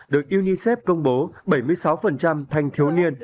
được unicef công bố bảy mươi sáu thanh thiếu niên